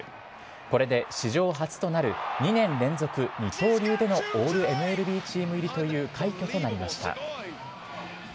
これで史上初となる２年連続二刀流でのオールＭＬＢチーム入りという快挙となりました。